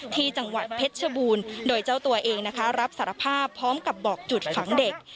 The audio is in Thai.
ที่จังหวัดเพชรชบูรณ์โดยเจ้าตัวเองนะคะรับสารภาพพร้อมกับบอกจุดฝังเด็ก